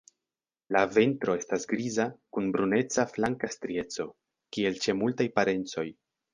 La ventro estas griza kun bruneca flanka strieco, kiel ĉe multaj parencoj.